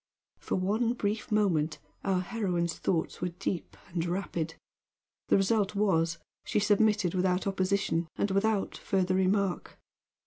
For one brief moment our heroine's thoughts were deep and rapid; the result was she submitted without opposition and without further remark.